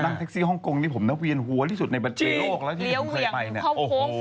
นั่งแท็กซี่ห้องโกงนี่ผมน่าเวียนหัวที่สุดในบัตรปีโลกแล้วที่เคยไปเนี่ย